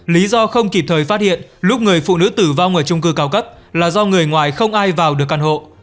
lý do không kịp thời phát hiện lúc người phụ nữ tử vong ở trung cư cao cấp là do người ngoài không ai vào được căn hộ